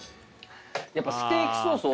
やっぱステーキソース